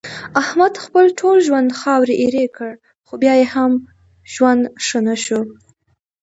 احمد خپل ټول ژوند خاورې ایرې کړ، خو بیا یې هم ژوند ښه نشو.